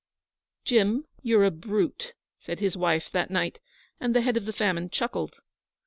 'Jim, you're a brute,' said his wife, that night; and the Head of the Famine chuckled.